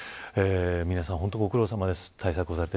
皆さん本当にご苦労さまです。